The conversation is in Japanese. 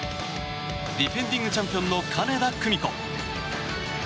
ディフェンディングチャンピオンの金田久美子。